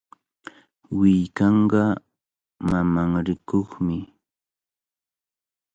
Willkanqa mamanrikuqmi.